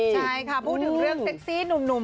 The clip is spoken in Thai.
ใช่ค่ะพูดถึงเรื่องเซ็กซี่หนุ่ม